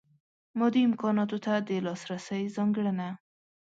مادي امکاناتو ته د لاسرسۍ ځانګړنه.